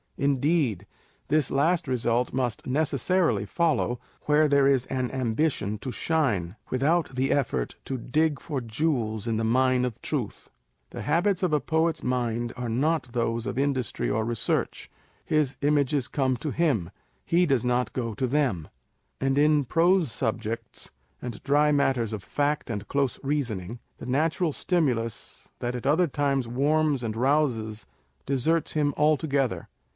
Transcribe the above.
Indeed, this last result must necessarily follow, where there is an ambition to shine, without the effort to dig for jewels in the mine of truth. The habits of a poet's mind are not those of industry or research : his images come to him, he does not go to them ; and in prose subjects, and dry matters of fact and close reasoning, the natural stimulus that at other times warms and rouses, deserts him altogether.